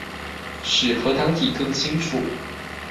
使核糖體更清楚